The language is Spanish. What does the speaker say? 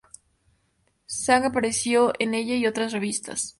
Zhang apareció en "Elle" y otras revistas.